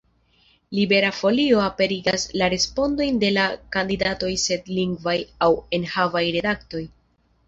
Libera Folio aperigas la respondojn de la kandidatoj sen lingvaj aŭ enhavaj redaktoj.